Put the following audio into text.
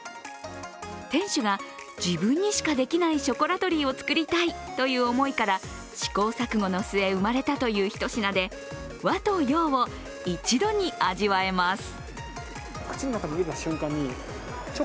店主が自分にしかできないショコラトリーを作りたいという思いから試行錯誤の末、生まれたという一品で和と洋を一度に味わえます。